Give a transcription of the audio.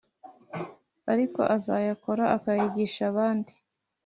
Ariko uzayakora akayigisha abandi